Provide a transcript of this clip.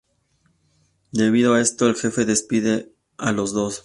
Debido a esto, el jefe despide a los dos.